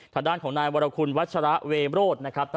ทางด้านของนายวรคุณวัชระเวมโรธนะครับ